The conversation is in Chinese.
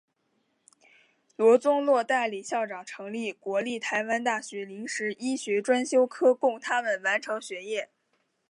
罗宗洛代理校长成立国立台湾大学临时医学专修科供他们完成学业。